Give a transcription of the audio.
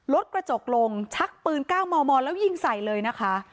รถกระจกลงชักปืน๙มมแล้วยิงใส่เลยนะคะ